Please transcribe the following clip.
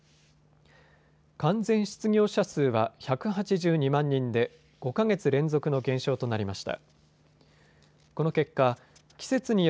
完全失業者数は１８２万人で５か月連続の減少となりました。